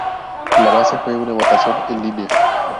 La base fue una votación en línea.